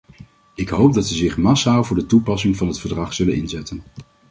Ik hoop dat ze zich massaal voor de toepassing van het verdrag zal inzetten.